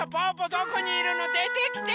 どこにいるの？でてきて！